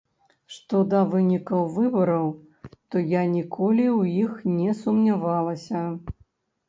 Што да вынікаў выбараў, то я ніколі ў іх не сумнявалася.